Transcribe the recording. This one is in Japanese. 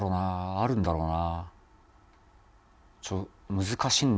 あるんだろうな。